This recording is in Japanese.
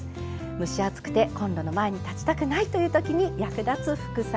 蒸し暑くてコンロの前に立ちたくないというときに役立つ副菜でした。